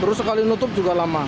terus sekali nutup juga lama